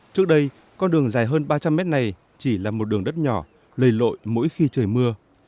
trước đây con đường dài hơn ba trăm linh mét này chỉ là một đường đất nhỏ lầy lội mỗi khi trời mưa